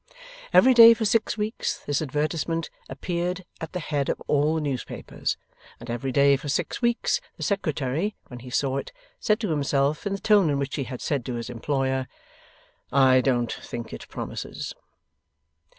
Every day for six weeks this advertisement appeared at the head of all the newspapers, and every day for six weeks the Secretary, when he saw it, said to himself; in the tone in which he had said to his employer, 'I don't think it promises!